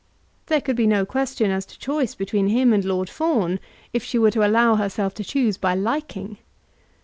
There could be no question as to choice between him and Lord Fawn, if she were to allow herself to choose by liking.